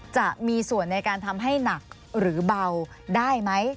จะมีส่วนในการทำให้หนักหรือเบาได้ไหม